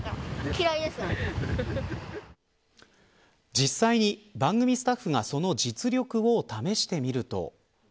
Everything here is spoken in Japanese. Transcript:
実際に番組スタッフがその実力を試してみると。